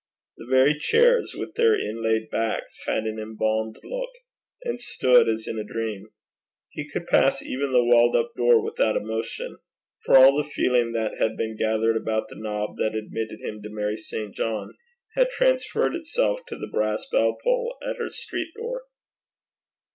The very chairs with their inlaid backs had an embalmed look, and stood as in a dream. He could pass even the walled up door without emotion, for all the feeling that had been gathered about the knob that admitted him to Mary St. John, had transferred itself to the brass bell pull at her street door.